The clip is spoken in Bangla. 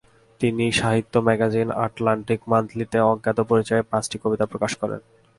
তিনি সাহিত্য ম্যাগাজিন আটলান্টিক মান্থলি-তে অজ্ঞাত পরিচয়ে পাঁচটি কবিতা প্রকাশ করেন।